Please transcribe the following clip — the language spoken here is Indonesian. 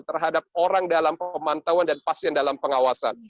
terhadap orang dalam pemantauan dan pasien dalam pengawasan